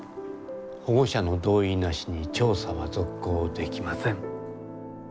保護者の同意なしに調査は続行できません。